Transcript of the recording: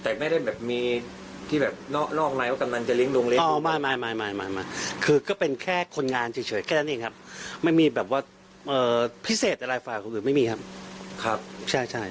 เอ่อพิเศษแต่ลายไฟล์ของอื่นไม่มีครับครับใช่ใช่